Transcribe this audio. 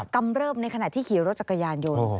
กำเริบในขณะที่ขี่รถจักรยานยนต์